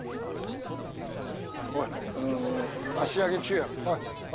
おい箸上げ中やろ。